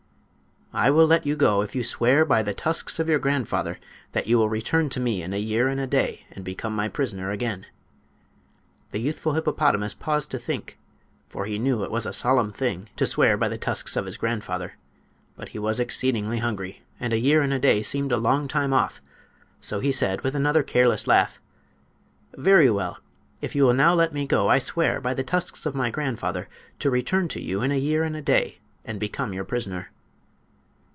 "I will let your go if you swear by the tusks of your grandfather that you will return to me in a year and a day and become my prisoner again." The youthful hippopotamus paused to think, for he knew it was a solemn thing to swear by the tusks of his grandfather; but he was exceedingly hungry, and a year and a day seemed a long time off; so he said, with another careless laugh: "Very well; if you will now let me go I swear by the tusks of my grandfather to return to you in a year and a day and become your prisoner."